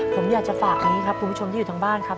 ผมอยากจะฝากนี้ครับคุณผู้ชมที่อยู่ทางบ้านครับ